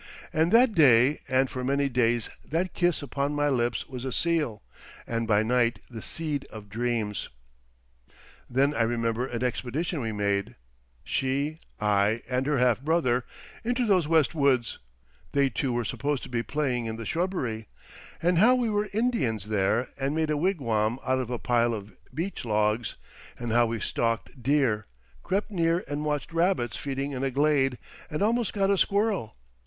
And that day and for many days that kiss upon my lips was a seal, and by night the seed of dreams. Then I remember an expedition we made—she, I, and her half brother—into those West Woods—they two were supposed to be playing in the shrubbery—and how we were Indians there, and made a wigwam out of a pile of beech logs, and how we stalked deer, crept near and watched rabbits feeding in a glade, and almost got a squirrel.